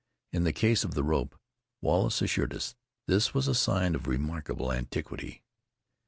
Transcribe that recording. In the case of the rope, Wallace assured us, this was a sign of remarkable antiquity.